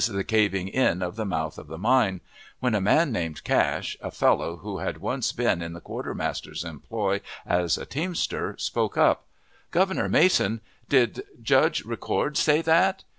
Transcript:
the caving in of the mouth of the mine, when a man named Cash, a fellow who had once been in the quartermaster's employ as a teamster, spoke up: "Governor Mason, did Judge Ricord say that?"